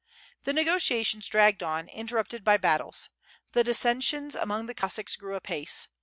The negotiations dragged on interrupted by battles. The dissensions among the Cossacks grew apace.